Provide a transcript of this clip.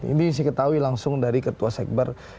ini saya ketahui langsung dari ketua sekber